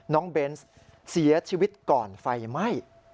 เบนส์เสียชีวิตก่อนไฟไหม้